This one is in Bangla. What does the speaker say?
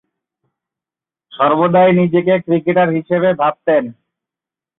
সর্বদাই নিজেকে ক্রিকেটার হিসেবে ভাবতেন।